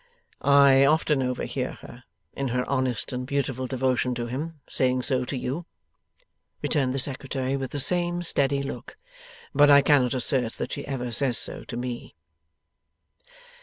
'I often overhear her, in her honest and beautiful devotion to him, saying so to you,' returned the Secretary, with the same steady look, 'but I cannot assert that she ever says so to me.